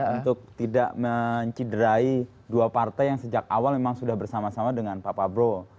untuk tidak menciderai dua partai yang sejak awal memang sudah bersama sama dengan pak prabowo